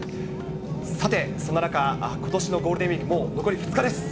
さて、そんな中、ことしのゴールデンウィーク、もう残り２日です。